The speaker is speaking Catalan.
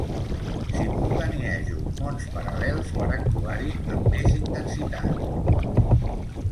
Simultaniejo mons paral·lels per actuar-hi amb més intensitat.